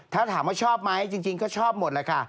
ถ้าถามว่าชอบไหมจริงก็ชอบหมดแหละค่ะ